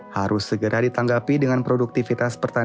harus segera ditanggapi dengan produktivitas